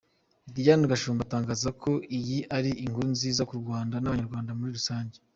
Diane Gashumba atangaza ko iyi ari inkuru nziza ku Rwanda n’Abanyarwanda muri rusange.